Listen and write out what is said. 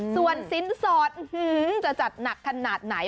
ส่วนสินสอดจะจัดหนักขนาดไหน